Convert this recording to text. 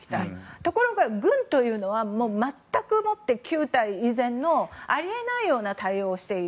ところが軍というのは全くもって旧態依然のあり得ないような対応をしている。